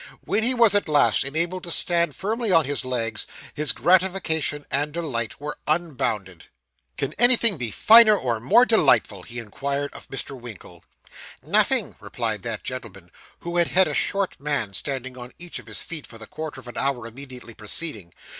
When he was at last enabled to stand firmly on his legs, his gratification and delight were unbounded. 'Can anything be finer or more delightful?' he inquired of Mr. Winkle. 'Nothing,' replied that gentleman, who had had a short man standing on each of his feet for the quarter of an hour immediately preceding.